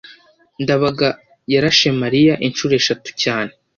ndabaga yarashe mariya inshuro eshatu cyane